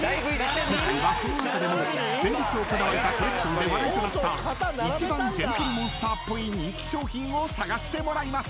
［今回はその中でも先日行われたコレクションで話題となった一番ＧＥＮＴＬＥＭＯＮＳＴＥＲっぽい人気商品を探してもらいます］